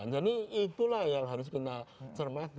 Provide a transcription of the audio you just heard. jadi itulah yang harus kita cermati